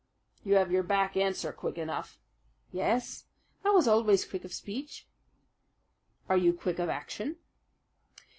"You have your back answer quick enough." "Yes, I was always quick of speech." "Are you quick of action?"